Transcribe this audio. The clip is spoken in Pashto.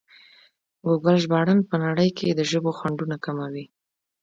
ګوګل ژباړن په نړۍ کې د ژبو خنډونه کموي.